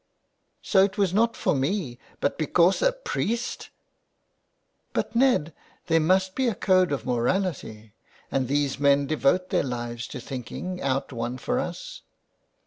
So it was not for me, but because a priest "" But, Ned, there must be a code of morality, and these men devote their lives to thinking out one for us."